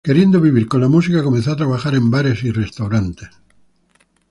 Queriendo vivir con la música, comenzó a trabajar en bares y restaurantes.